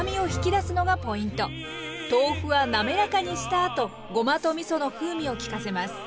豆腐は滑らかにしたあとごまとみその風味を利かせます。